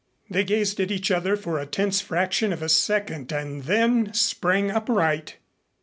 They gazed at each other for a tense fraction of a second and then sprang upright.